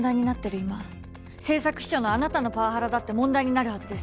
今政策秘書のあなたのパワハラだって問題になるはずです。